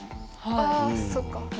あそっか！